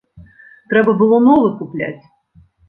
Трэба было новы купляць.